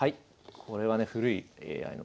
これはね古いＡＩの。